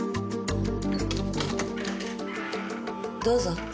どうぞ。